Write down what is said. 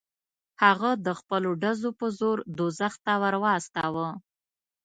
هغه د خپلو ډزو په زور دوزخ ته ور واستاوه.